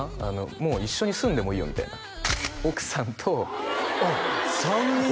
もう「一緒に住んでもいいよ」みたいな奥さんとあっ３人で？